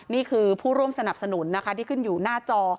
นี่คือผู้ร่วมสนับสนุนนะคะที่ขึ้นอยู่หน้าจอ